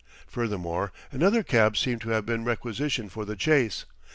Furthermore, another cab seemed to have been requisitioned for the chase.